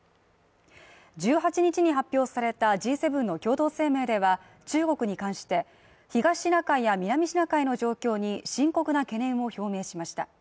１８日に発表されたＧ７の共同声明では、中国に関して東シナ海や南シナ海の状況に深刻な懸念を表明しました。